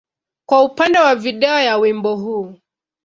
kwa upande wa video ya wimbo huu.